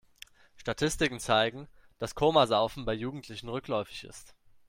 Statistiken zeigen, dass Komasaufen bei Jugendlichen rückläufig ist.